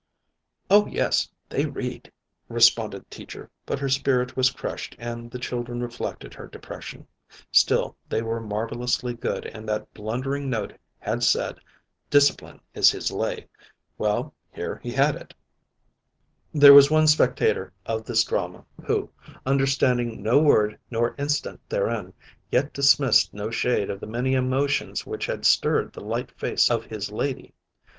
"Oh, yes, they read," responded Teacher, but her spirit was crushed and the children reflected her depression. Still, they were marvelously good and that blundering note had said, "Discipline is his lay." Well, here he had it. There was one spectator of this drama, who, understanding no word nor incident therein, yet dismissed no shade of the many emotions which had stirred the light face of his lady.